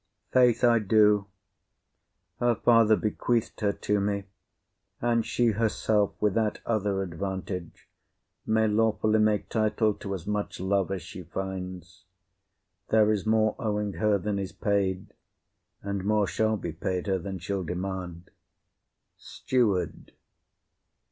Faith I do. Her father bequeath'd her to me, and she herself, without other advantage, may lawfully make title to as much love as she finds; there is more owing her than is paid, and more shall be paid her than she'll demand. STEWARD.